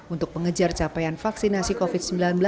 untuk mengejar capaian vaksinasi covid sembilan belas